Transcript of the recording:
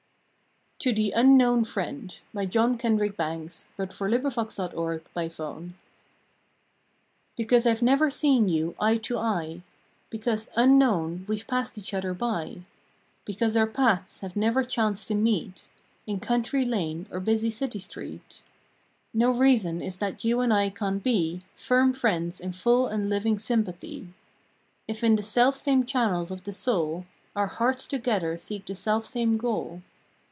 stronger for the roads I ve traveled o er. November Ninth TO THE UNKNOWN FRIEND "DECAUSE I ve never seen you eye to eye, Because, unknown, we ve passed each other by, Because our paths have never chanced to meet In country lane or busy city street, No reason is that you and I can t be Firm friends in full and living sympathy. If in the selfsame channels of the soul Our hearts together seek the selfsame goal.